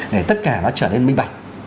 để tất cả nó trở nên mênh bạch